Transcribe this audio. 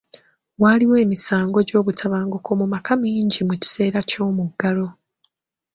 Waaliwo emisango gy'obutabanguko mu maka mingi mu kiseera ky'omuggalo.